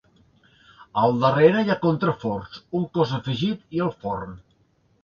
Al darrere hi ha contraforts, un cos afegit i el forn.